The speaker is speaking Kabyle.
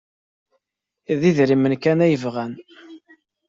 D idrimen kan ay bɣant.